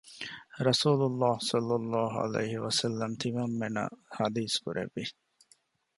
ރަސޫލު ﷲ ﷺ ތިމަންމެންނަށް ޙަދީޘް ކުރެއްވި